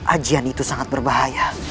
ajian itu sangat berbahaya